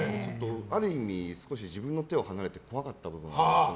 ある意味、自分の手を離れて怖かったこともあります。